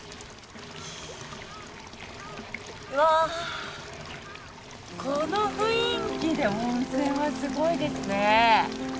うわぁこの雰囲気で温泉はすごいですね。